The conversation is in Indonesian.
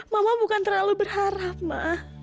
mama bukan terlalu berharap mak